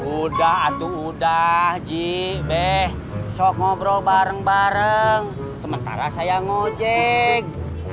udah atu udah ji beh sok ngobrol bareng bareng sementara saya ngejek